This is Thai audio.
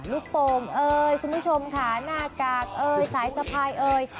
โป่งเอ่ยคุณผู้ชมค่ะหน้ากากเอ่ยสายสะพายเอ่ย